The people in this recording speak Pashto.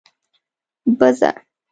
🐐 بزه